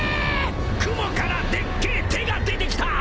雲からでっけえ手が出てきた！］